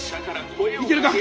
いけるか？